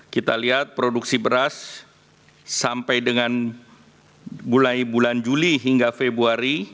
kita lihat produksi beras sampai dengan mulai bulan juli hingga februari